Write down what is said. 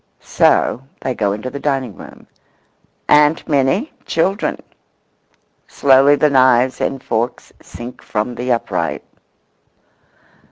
So they go into the dining room. "Aunt Minnie, children."Slowly the knives and forks sink from the upright.